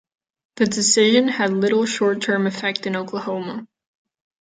The decision had little short-term effect in Oklahoma.